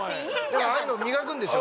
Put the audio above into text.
ああいうの磨くんでしょ？